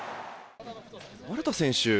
丸田選手